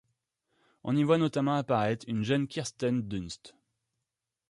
On y voit notamment apparaitre une jeune Kirsten Dunst.